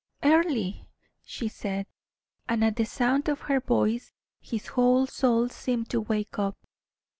"Earle," she said, and at the sound of her voice his whole soul seemed to wake up.